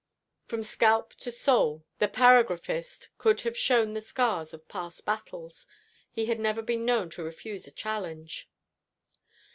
From scalp to sole the paragraphist could have shown the scars of past battles. He had never been known to refuse a challenge.